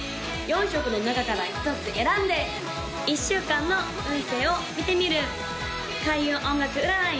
４色の中から１つ選んで１週間の運勢を見てみる開運音楽占い